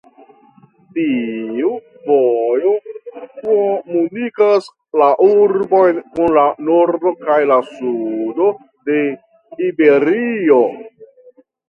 Tiu vojo komunikas la urbon kun la nordo kaj la sudo de Iberio.